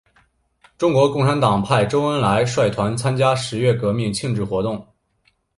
中国共产党派周恩来率团参加十月革命庆祝活动。